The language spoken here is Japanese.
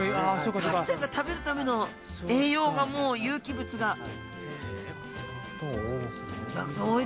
カキちゃんが食べるための栄養がもう有機物が。